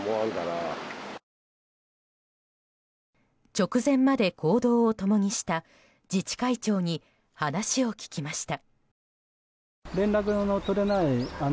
直前まで行動を共にした自治会長に話を聞きました。